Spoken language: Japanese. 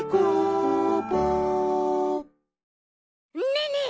ねえねえ